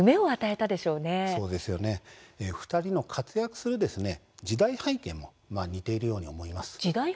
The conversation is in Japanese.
そうですね、２人の活躍する時代背景も似ているように思います。